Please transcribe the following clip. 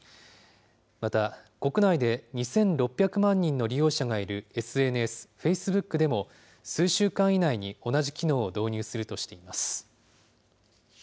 また、国内で２６００万人の利用者がいるＳＮＳ、フェイスブックでも、数週間以内に同じ機能を導入するとしています。